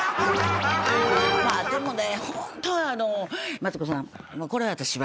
まあでもねホントマツコさんこれ私は。